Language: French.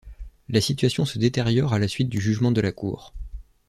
La situation se détériore à la suite du jugement de la cour.